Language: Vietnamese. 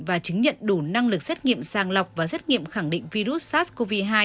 và chứng nhận đủ năng lực xét nghiệm sàng lọc và xét nghiệm khẳng định virus sars cov hai